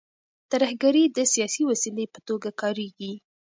ترهګري د سیاسي وسیلې په توګه کارېږي.